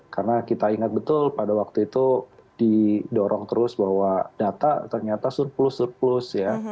karena kita ingat betul pada waktu itu didorong terus bahwa data ternyata surplus surplus ya